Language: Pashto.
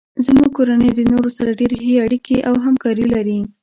زمونږ کورنۍ د نورو سره ډیرې ښې اړیکې او همکاري لري